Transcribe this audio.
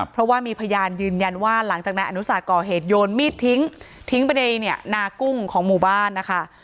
เพราะว่ามีพยานยืนยันว่าหลังจากนายอนุสักก่อเหตุโยนมีดทิ้งทิ้งไปในนากุ้งของหมู่บ้านนะคะ